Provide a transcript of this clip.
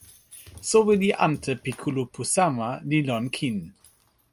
soweli ante pi kulupu sama li lon kin.